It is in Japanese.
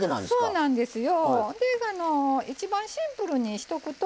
そうなんですよ。